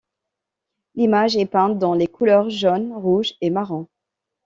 L'image est peinte dans les couleurs jaune, rouge et marron.